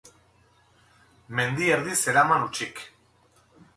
Mende erdi zeraman hutsik.